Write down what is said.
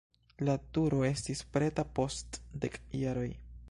La turo estis preta post dek jaroj.